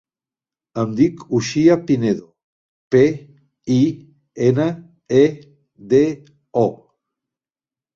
Em dic Uxia Pinedo: pe, i, ena, e, de, o.